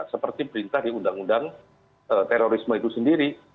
seperti perintah di undang undang terorisme itu sendiri